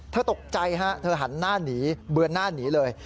ตกใจฮะเธอหันหน้าหนีเบือนหน้าหนีเลย